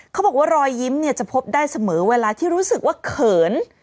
เขาบอกว่ารอยยิ้มจะพบได้เสมอเวลาที่รู้สึกว่าเขิน